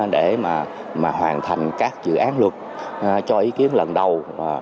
để mà hoàn thành các dự án luật cho ý kiến lần đầu